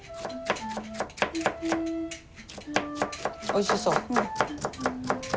おいしそう。